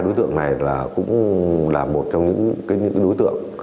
hai đối tượng này là cũng là một trong những đối tượng